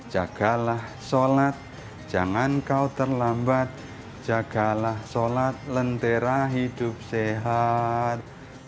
jagalah sholat jangan kau terlambat jagalah sholat lentera hidup sehat